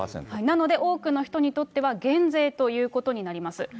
なので、多くの人にとっては、減税ということになります。